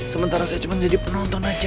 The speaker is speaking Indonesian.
sementara saya cuma jadi penonton aja